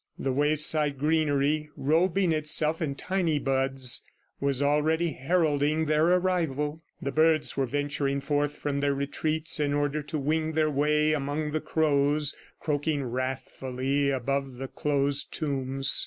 The wayside greenery, robing itself in tiny buds, was already heralding their arrival. The birds were venturing forth from their retreats in order to wing their way among the crows croaking wrathfully above the closed tombs.